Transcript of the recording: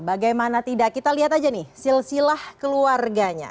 bagaimana tidak kita lihat aja nih silsilah keluarganya